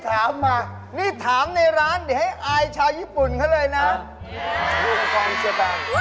ด้วยกันความเชื่อตังค์